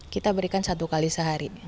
kita berikan satu kali sehari